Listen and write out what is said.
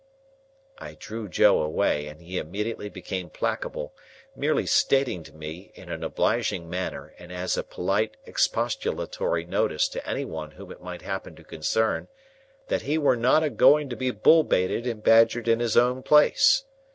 I drew Joe away, and he immediately became placable; merely stating to me, in an obliging manner and as a polite expostulatory notice to any one whom it might happen to concern, that he were not a going to be bull baited and badgered in his own place.